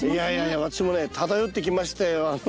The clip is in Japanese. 私もね漂ってきましたよ。